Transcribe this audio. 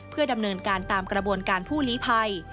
เพื่อดำเนินการตามกระบวนการผู้ลีภัย